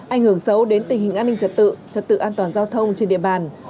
ảnh hưởng xấu đến tình hình an ninh trật tự trật tự an toàn giao thông trên địa bàn